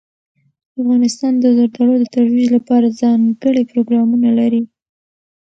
افغانستان د زردالو د ترویج لپاره ځانګړي پروګرامونه لري.